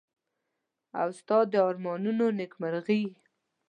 او ستا د ارمانونو نېکمرغي.